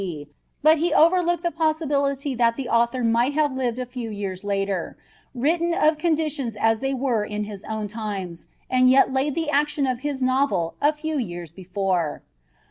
D., but he overlooked the possibility that the author might have lived a few years later, written of conditions as they were in his own times, and yet laid the action of his novel a few years before.